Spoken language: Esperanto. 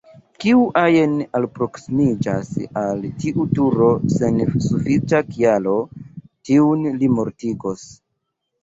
Kiu ajn alproksimiĝas al tiu turo sen sufiĉa kialo, tiun li mortigos.